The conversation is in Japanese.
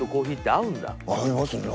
合いますね。